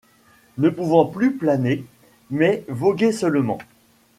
Ne pouvant plus planer, mais voguer seulement